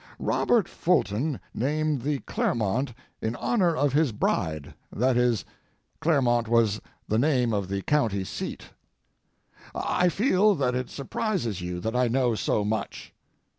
Robert Fulton named the 'Clermont' in honor of his bride, that is, Clermont was the name of the county seat. I feel that it surprises you that I know so much.